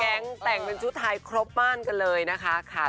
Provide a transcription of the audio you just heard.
แต่ของแก๊งแต่งเป็นชุดไท้ครบบ้านกันเลยนะคะ